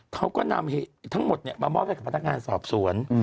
เขาก็นำทั้งหมดมามอบให้กับพนักงานสอบสวน